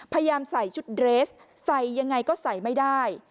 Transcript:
พยายามใส่ชุดเดรสใส่ยังไงก็ใส่ไม่ได้